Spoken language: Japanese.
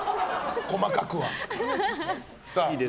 細かくは。